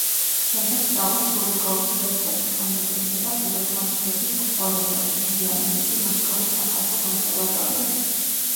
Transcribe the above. შემდეგ სწავლა სურიკოვის ფერწერის, ქანდაკებისა და ხუროთმოძღვრების სასწავლებელში, მოგვიანებით კი მოსკოვის სახალხო კონსერვატორია.